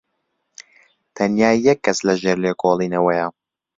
تەنیا یەک کەس لەژێر لێکۆڵینەوەیە.